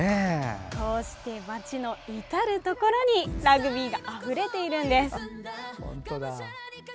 こうして街の至るところにラグビーがあふれているんです。